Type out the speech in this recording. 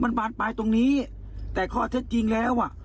มันบานปลายตรงนี้แต่ข้อเท็จจริงแล้วอ่ะ